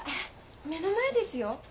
目の前ですよ。